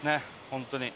本当に。